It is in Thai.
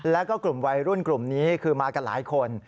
แล้วก็กลุ่มวัยรุ่นกลุ่มนี้คือมากันหลายคน